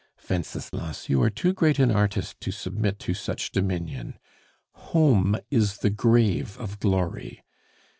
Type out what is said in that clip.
Wenceslas, you are too great an artist to submit to such dominion. Home is the grave of glory.